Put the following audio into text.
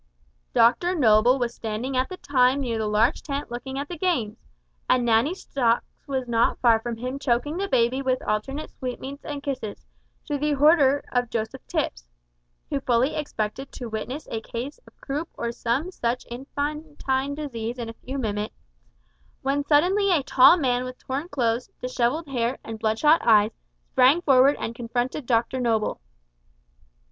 Dr Noble was standing at the time near the large tent looking at the games, and Nanny Stocks was not far from him choking the baby with alternate sweetmeats and kisses, to the horror of Joseph Tipps, who fully expected to witness a case of croup or some such infantine disease in a few minutes, when suddenly a tall man with torn clothes, dishevelled hair and bloodshot eyes, sprang forward and confronted Dr Noble.